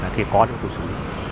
thì có thì tôi xử lý